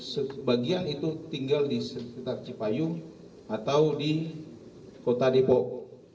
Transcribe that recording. sebagian itu tinggal di sekitar cipayung atau di kota depok